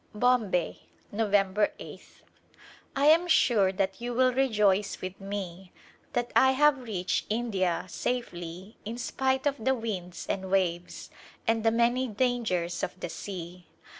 Bombay ,^ Nov ember 8th. I am sure that you will rejoice with me that I have reached India safely in spite of the winds and waves and the many dangers of the sea.